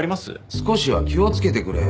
少しは気を付けてくれよ。